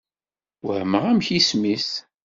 Wehmeɣ amek isem-is.